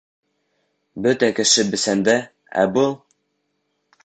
Бөтә кеше бесәндә, ә был...